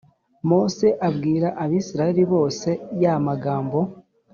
mose abwira abisirayeli bose ya magambo